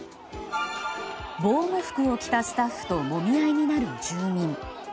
防護服を着たスタッフともみ合いになる住民。